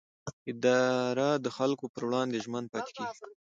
اداره د خلکو پر وړاندې ژمن پاتې کېږي.